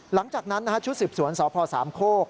หลังจากนั้นชุดสืบสวนสพสามโคก